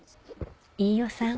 飯尾さん